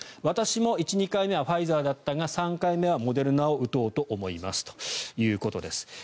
私も１、２回目はファイザーだったが３回目はモデルナを打とうと思いますということです。